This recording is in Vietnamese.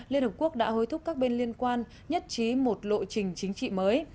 liên hợp quốc đã hối thúc các bên liên quan nhất trí một lộ trình chính trị mới